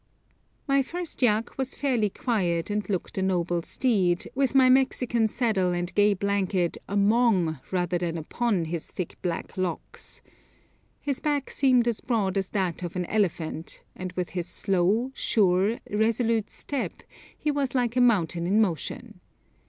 My first yak was fairly quiet, and looked a noble steed, with my Mexican saddle and gay blanket among rather than upon his thick black locks. His back seemed as broad as that of an elephant, and with his slow, sure, resolute step, he was like a mountain in motion.